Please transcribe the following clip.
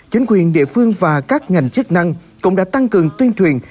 chính quyền địa phương và các ngành chức năng cũng đã tăng cường tuyên truyền